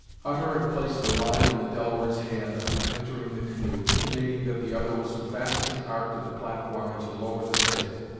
Hutter had placed a line in the Delaware's hand, on entering the canoe, intimating that the other was to fasten the Ark to the platform and to lower the sail.